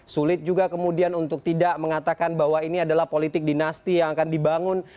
sulit juga kemudian untuk tidak mengatakan bahwa ini adalah politik dinasti yang akan dibangun